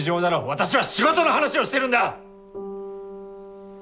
私は仕事の話をしているんだ！